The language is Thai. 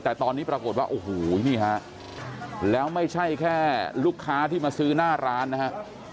แต่ตอนนี้ปรากฏว่าโอ้โหนี่ฮะแล้วไม่ใช่แค่ลูกค้าที่มาซื้อหน้าร้านนะฮะ